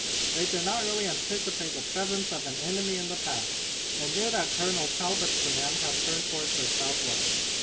They did not really anticipate the presence of an enemy in the pass. They knew that Colonel Talbot's command had turned toward the southwest.